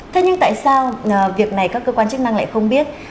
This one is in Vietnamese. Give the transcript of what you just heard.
thế nhưng tại sao việc này các cơ quan chức năng lại không biết